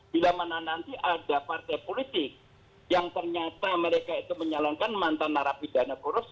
bila mana nanti ada partai politik yang ternyata mereka itu menyalankan mantan narapidana korupsi